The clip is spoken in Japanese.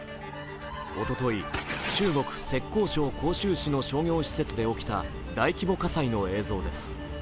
おととい、中国・浙江省杭州市の商業施設で起きた大規模火災の映像です。